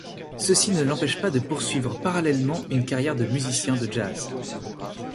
Ceci ne l'empêche pas de poursuivre parallèlement une carrière de musicien de jazz.